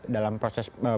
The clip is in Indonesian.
dalam proses penyidikan